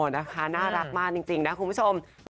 นะคะน่ารักมากจริงนะคุณผู้ชม